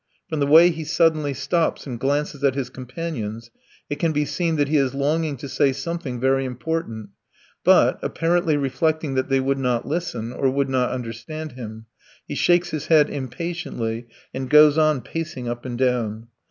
From the way he suddenly stops and glances at his companions, it can be seen that he is longing to say something very important, but, apparently reflecting that they would not listen, or would not understand him, he shakes his head impatiently and goes on pacing up and down.